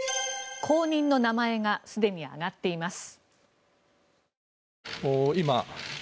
後任の名前がすでに挙がっています。